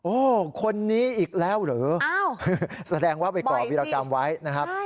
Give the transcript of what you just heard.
คนนี้อีกแล้วเหรอแสดงว่าไปก่อวิรากรรมไว้นะครับ